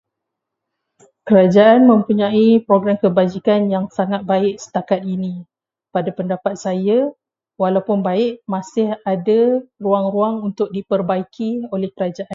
Kerajaan mempunyai program kebajikan yang sangat baik setakat ini. Pada pendapat saya, walaupun baik, masih ada ruang-ruang untuk diperbaiki oleh kerajaan.